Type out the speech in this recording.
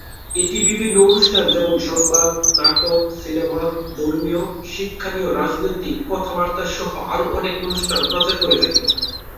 এটি বিভিন্ন অনুষ্ঠান যেমন সংবাদ, নাটক, সিনেমা, ধর্মীয়, শিক্ষণীয়, রাজনৈতিক কাথা-বার্তা সহ আরো অনেক অনুষ্ঠান প্রচার করে থাকে।